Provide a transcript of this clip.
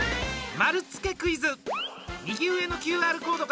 丸つけクイズ！